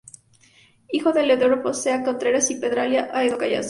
Hijo de Eleodoro Foncea Contreras y Petronila Aedo Carrasco.